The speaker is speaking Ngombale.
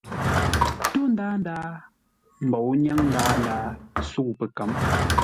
Ntó ndaa ndaa mbǒu nyáŋ ndaa ndaa, sə̌u pəkə̌m.